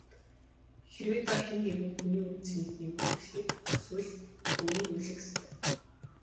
Хэрвээ та хэн нэгэн хүний үнэ цэнийг нэмэгдүүлэхийг хүсвэл түүнийг үнэлэх ёстой.